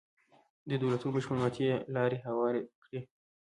د دولتونو بشپړې ماتې ته یې لار هواره کړه.